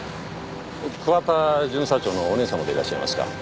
桑田巡査長のお姉さまでいらっしゃいますか？